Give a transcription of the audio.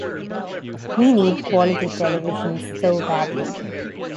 We need quality television so badly.